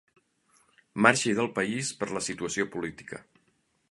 Marxi del país per la situació política.